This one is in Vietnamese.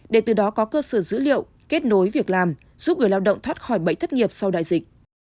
để từ đó có cơ sở dữ liệu kết nối việc làm giúp người lao động thoát khỏi bẫy thất nghiệp sau đại dịch